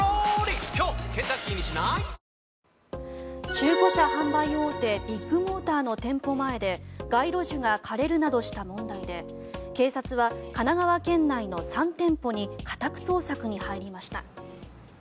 中古車販売大手ビッグモーターの店舗前で街路樹が枯れるなどした問題で警察は、神奈川県内の３店舗に家宅捜索に入りました。